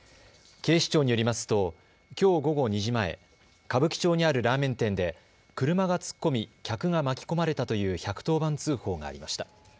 警視庁によりますときょう午後２時前、歌舞伎町にあるラーメン店で車が突っ込み客が巻き込まれたという１１０番通報がありました。